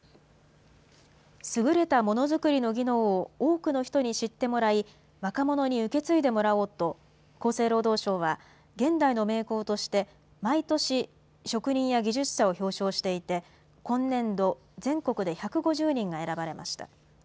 優れたものづくりの技能を多くの人に知ってもらい、若者に受け継いでもらおうと、厚生労働省は、現代の名工として、毎年、職人や技術者を表彰していて、今年度、全国で１５０人が選ばれました。